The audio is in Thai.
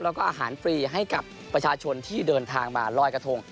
แล้วก็อาหารฟรีให้กับประชาชนที่เดินทางมาลอยกระทง